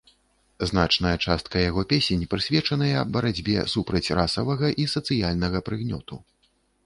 Значная частка яго песень прысвечаныя барацьбе супраць расавага і сацыяльнага прыгнёту.